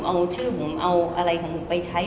เอาชื่อผมเอาอะไรของผมไปใช้